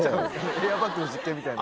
エアバッグの実験みたいな。